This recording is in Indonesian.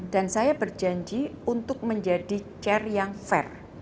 dan saya berjanji untuk menjadi chair yang fair